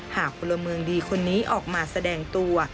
หากภูระเมืองดีคนนี้ออกมาแสดงตัว